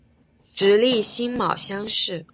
直隶辛卯乡试。